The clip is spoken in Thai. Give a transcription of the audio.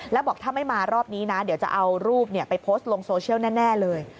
แล้วบอกถ้าไม่มารอบนี้นะเดี๋ยวจะเอารูปไปโพสต์ลงโซเชียลแน่เลย